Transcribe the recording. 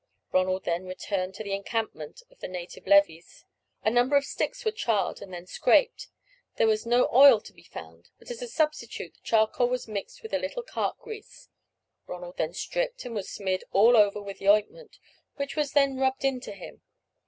Ronald then returned to the encampment of the native levies. A number of sticks were charred and then scraped. There was no oil to be found, but as a substitute the charcoal was mixed with a little cart grease. Ronald then stripped, and was smeared all over with the ointment, which was then rubbed into him.